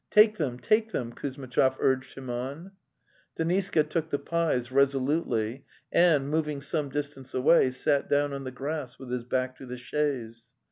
"Take them, take them," Kuzmitchov urged him on. Deniska took the pies resolutely, and, moving some distance away, sat down on the grass with his back to the chaise.